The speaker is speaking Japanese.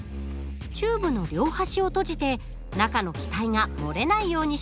チューブの両端を閉じて中の気体が漏れないようにします。